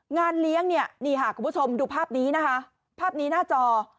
งานเลี้ยงเนี่ยนี่ค่ะคุณผู้ชมดูภาพนี้นะคะภาพนี้หน้าจอ